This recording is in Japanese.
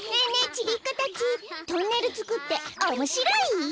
ちびっこたちトンネルつくっておもしろイ？